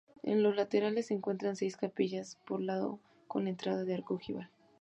En los laterales se encuentran seis capillas por lado con entrada de arco ojival.